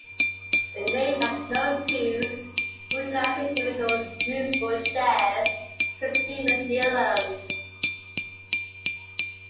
The Nave has no pews, utilizing individual, movable chairs, complete with kneelers.